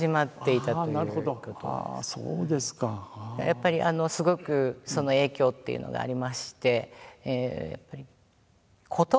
やっぱりすごくその影響っていうのがありまして。